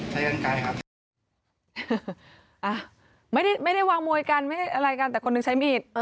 ใจเย็นไกลครับไม่ได้ไม่ได้วางมวยกันไม่ได้อะไรกันแต่คนหนึ่งใช้มีด